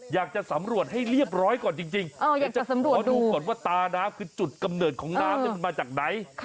อยากจะสำรวจให้เรียบร้อยก่อนจริงอยากจะสำรวจมาดูก่อนว่าตาน้ำคือจุดกำเนิดของน้ำมันมาจากไหน